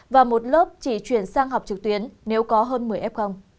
và một lớp chỉ chuyển sang học trực tuyến nếu có hơn một mươi f